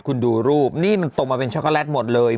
คุณดูรูปนี่มันตรงมาเป็นช็อกโกแลตหมดเลย